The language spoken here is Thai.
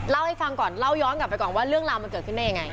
เล่าให้ฟังก่อนเล่าย้อนกลับไปก่อนว่าเรื่องราวมันเกิดขึ้นได้ยังไง